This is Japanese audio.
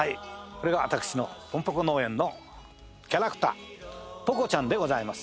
これが私のポンポコ農園のキャラクターポコちゃんでございます。